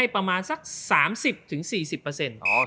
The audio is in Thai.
ประมาณสักสามสิบถึงสี่สิบเปอร์เซ็นต์